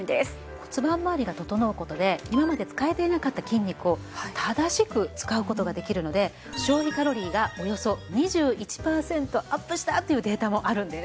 骨盤まわりが整う事で今まで使えていなかった筋肉を正しく使う事ができるので消費カロリーがおよそ２１パーセントアップしたというデータもあるんです。